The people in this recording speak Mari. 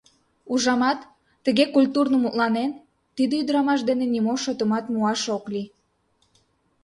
Ужамат, тыге культурно мутланен, тиде ӱдырамаш дене нимо шотымат муаш ок лий.